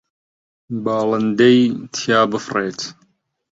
باڵندەی تیا بفڕێت